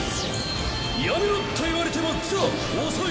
やめろっと言われてもザ・遅い！